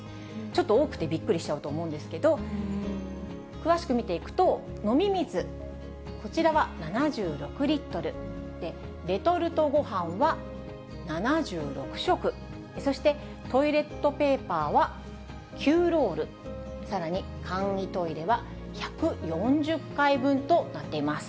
ちょっと多くてびっくりしちゃうと思うんですけど、詳しく見ていくと、飲み水、こちらは７６リットル、レトルトごはんは７６食、そしてトイレットペーパーは９ロール、さらに簡易トイレは１４０回分となっています。